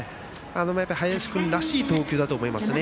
林君らしい投球だと思いますね。